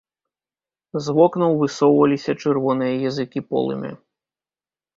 З вокнаў высоўваліся чырвоныя языкі полымя.